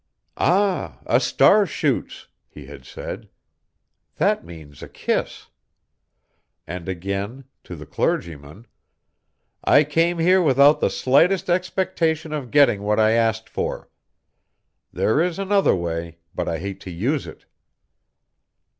"Ah, a star shoots!" he had said. "That means a kiss!" and again, to the clergyman, "_I came here without the slightest expectation of getting what I asked for. There is another way, but I hate to use it.